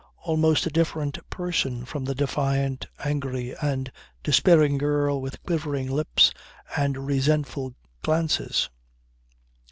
Almost a different person from the defiant, angry and despairing girl with quivering lips and resentful glances.